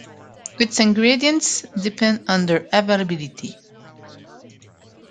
Its ingredients depend on their availability.